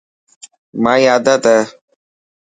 مائي آدت هي.